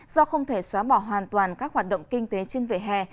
do không thể xóa bỏ hoàn toàn các hoạt động kinh tế trên vỉa hè